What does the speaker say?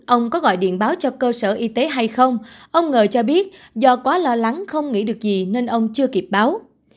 ông có gọi điện báo cho cơ sở y tế hay không ông ngờ cho biết do quá lo lắng không nghĩ được gì nên ông chưa kịp báo